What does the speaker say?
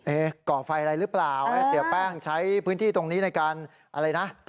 ก่อไฟอะไรหรือเปล่าเสียแป้งใช้พื้นที่ตรงนี้ในการอะไรนะ